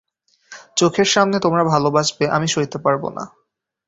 চোখের সামনে তোমরা ভালবাসবে আমি সইতে পারব না।